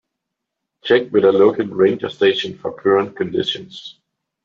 Check with a local ranger station for current conditions.